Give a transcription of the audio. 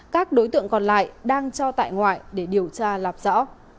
các đối tượng còn lại đang cho tại ngoại để điều tra lạp rõ